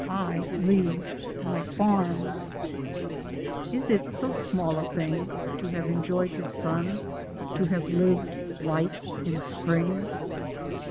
I LEAVE MY FARM "Is it so small a thing To have enjoyed the sun, To have lived light in spring?"